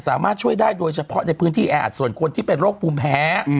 สามารถช่วยได้โดยเฉพาะในพื้นที่แออัดส่วนคนที่เป็นโรคภูมิแพ้